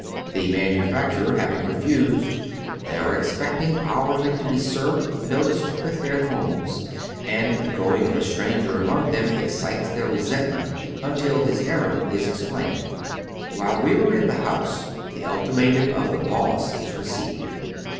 The manufacturer having refused, they are expecting hourly to be served with notice to quit their homes, and the going of a stranger among them excites their resentment, until his errand is explained, While we are in the house, the ultimatum of the "boss" is received.